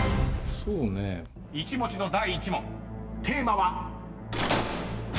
［１文字の第１問テーマは］